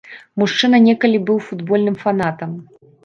Мужчына некалі быў футбольным фанатам.